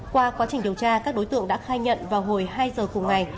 qua quá trình điều tra các đối tượng đã khai nhận vào hồi hai giờ cùng ngày